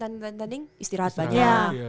tanding tanding istirahat banyak iya